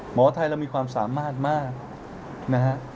หมอไทยเรามีความสามารถมากนะฮะ